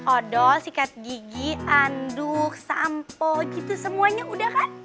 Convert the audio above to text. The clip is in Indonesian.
odol sikat gigi aduk sampo gitu semuanya udah kan